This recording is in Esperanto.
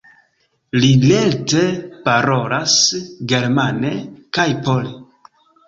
Li lerte parolas germane kaj pole.